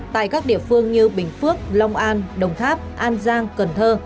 tại các địa phương như bình phước long an đồng tháp an giang cần thơ